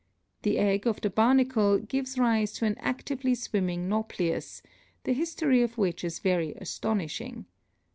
The tgg of the Barnacle gives rise to an actively swimming Nauplius, the history of which is very aston ishing.